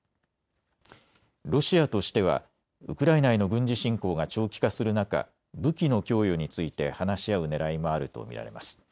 ロシアとしてはウクライナへの軍事侵攻が長期化する中、武器の供与について話し合うねらいもあると見られます。